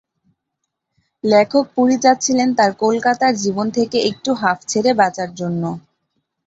লেখক পুরি যাচ্ছিলেন তাঁর কলকাতার জীবন থেকে একটু হাফ ছেড়ে বাঁচার জন্য।